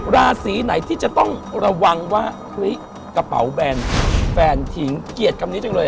ราศรีไหนที่จะต้องระวังว่ากระเป๋าแบนแฟนทิงเกียจกับนี้จริง